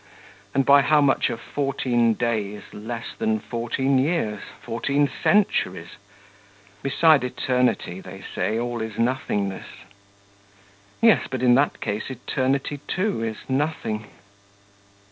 And by how much are fourteen days less than fourteen years, fourteen centuries? Beside eternity, they say, all is nothingness yes, but in that case eternity, too, is nothing.